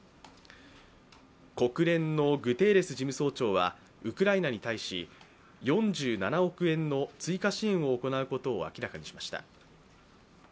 国連のグテーレス事務総長はウクライナに対し４７億円の追加支援を行うことを明らかにしました。